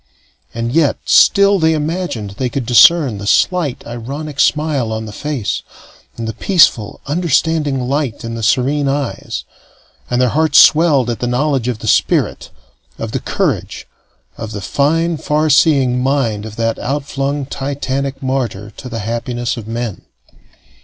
And yet still they imagined they could discern the slight ironic smile on the face, and the peaceful, understanding light in the serene eyes; and their hearts swelled at the knowledge of the spirit, of the courage, of the fine, far seeing mind of that outflung titanic martyr to the happiness of men.